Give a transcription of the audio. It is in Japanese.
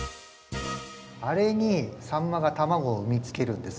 あれにサンマが卵を産み付けるんです。